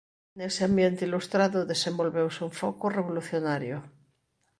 Nese ambiente ilustrado desenvolveuse un foco revolucionario.